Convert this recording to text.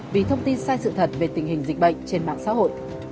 vì thông tin sai sự thật về tình hình dịch bệnh trên mạng xã hội